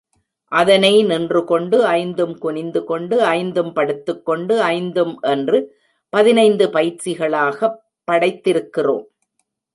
அதனை நின்று கொண்டு ஐந்தும் குனிந்து கொண்டு ஐந்தும் படுத்துக் கொண்டு ஐந்தும் என்று பதினைந்து பயிற்சிகளாகப் படைத்திருக்கிறோம்.